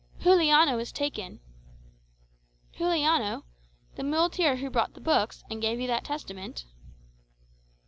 "Juliano is taken." "Juliano! The muleteer who brought the books, and gave you that Testament?"